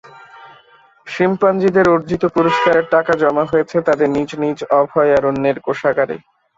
শিম্পাঞ্জিদের অর্জিত পুরস্কারের টাকা জমা হয়েছে তাদের নিজ নিজ অভয়ারণ্যের কোষাগারে।